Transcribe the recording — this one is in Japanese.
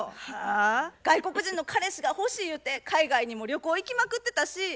外国人の彼氏がほしい言うて海外にも旅行行きまくってたし。